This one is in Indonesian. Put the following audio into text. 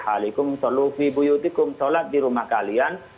jadi ketika sholat sampaikan sholat di rumah kalian